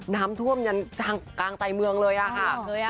น้ำท่วมยังทางกลางไต้เมืองเลยครับ